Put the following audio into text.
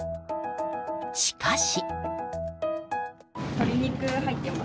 しかし。